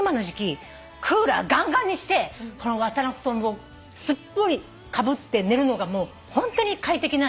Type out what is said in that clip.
クーラーがんがんにしてこの綿の布団をすっぽりかぶって寝るのがホントに快適なんだと。